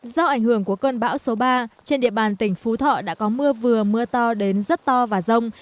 trường của cơn bão số ba trên địa bàn tỉnh phú thọ đã có mưa vừa mưa to đến rất to và rông